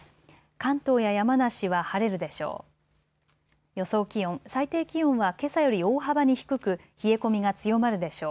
関東や山梨は晴れるでしょう。